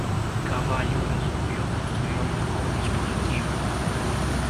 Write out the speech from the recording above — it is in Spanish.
Cavallo resolvió construir un mejor dispositivo.